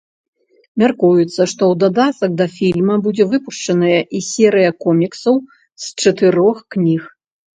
Мяркуецца, што ў дадатак да фільма будзе выпушчаная і серыя коміксаў з чатырох кніг.